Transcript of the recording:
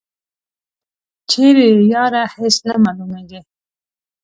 چیری یی یاره هیڅ نه معلومیږي.